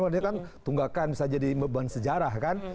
karena dia kan tunggakan bisa jadi beban sejarah kan